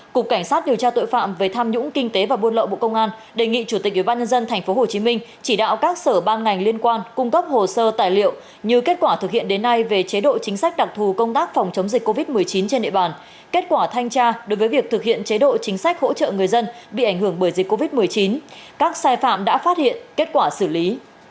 cục cảnh sát điều tra tội phạm về tham nhũng kinh tế và buôn lậu bộ công an đề nghị chủ tịch ubnd tp hcm chỉ đạo các sở ban ngành liên quan cung cấp hồ sơ tài liệu như kết quả thực hiện đến nay về chế độ chính sách đặc thù công tác phòng chống dịch covid một mươi chín trên địa bàn kết quả thanh tra đối với việc thực hiện chế độ chính sách hỗ trợ người dân bị ảnh hưởng bởi dịch covid một mươi chín các sai phạm đã phát hiện kết quả xử lý